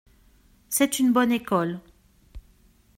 C’est une bonne école.